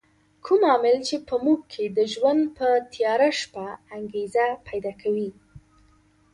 کوم عامل چې په موږ کې د ژوند په تیاره شپه انګېزه پیدا کوي.